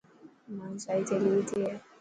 مائي سائي ٿيلي ڪٿي هي؟